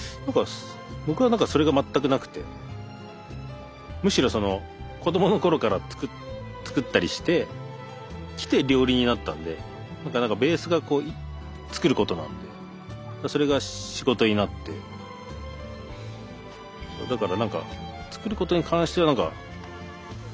僕は何かそれが全くなくてむしろ子どもの頃から作ったりしてきて料理人になったんでだから何かベースが作ることなんでそれが仕事になってだから何か作ることに関しては楽しいですよね。